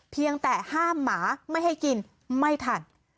เพียงแต่ห้ามหมาไม่ให้กินไม่ทัน